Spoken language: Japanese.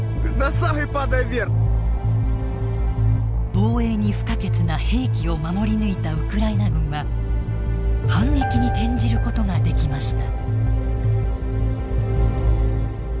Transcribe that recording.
防衛に不可欠な兵器を守り抜いたウクライナ軍は反撃に転じることができました。